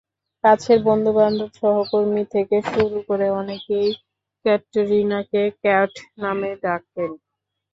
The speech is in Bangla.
কাছের বন্ধু-বান্ধব, সহকর্মী থেকে শুরু করে অনেকেই ক্যাটরিনাকে ক্যাট নামে ডাকেন।